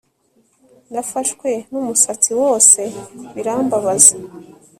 nafashwe n'umusatsi wose birambabaza